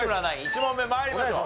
１問目参りましょう。